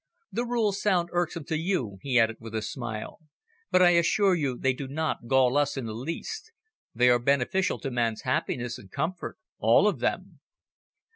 The rules sound irksome to you," he added with a smile. "But I assure you they do not gall us in the least. They are beneficial to man's happiness and comfort, all of them."